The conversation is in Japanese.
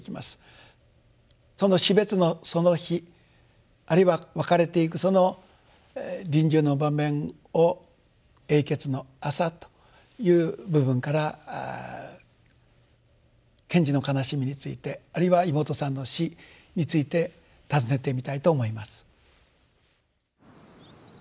その死別のその日あるいは別れていくその臨終の場面を「永訣の朝」という部分から賢治の悲しみについてあるいは妹さんの死についてたずねてみたいと思います。